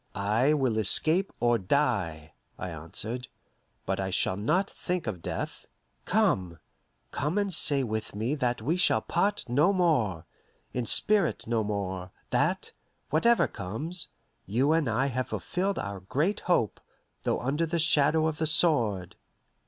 "I will escape or die," I answered; "but I shall not think of death. Come come and say with me that we shall part no more in spirit no more; that, whatever comes, you and I have fulfilled our great hope, though under the shadow of the sword."